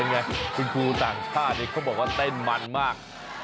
ไงคุณครูต่างชาติเขาบอกว่าเต้นมันมาก